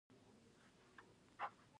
مس د افغان کورنیو د دودونو مهم عنصر دی.